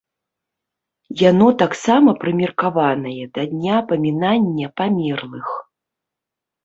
Яно таксама прымеркаванае да дня памінання памерлых.